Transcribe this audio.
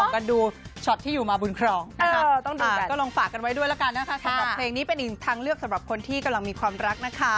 ขอบความรักนะคะ